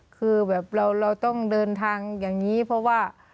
คือแบบเราต้องเดินทางอย่างนี้เพราะว่า